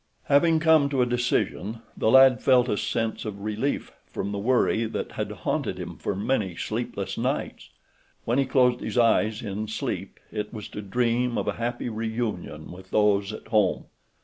Having come to a decision the lad felt a sense of relief from the worry that had haunted him for many sleepless nights. When he closed his eyes in sleep it was to dream of a happy reunion with those at home.